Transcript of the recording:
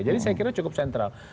jadi saya kira cukup sentral